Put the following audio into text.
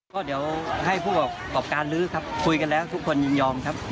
ก็เดี๋ยวให้ผู้ประกอบการลื้อครับคุยกันแล้วทุกคนยินยอมครับ